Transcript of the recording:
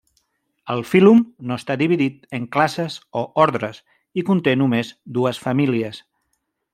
El fílum no està dividit en classes o ordres, i conté només dues famílies.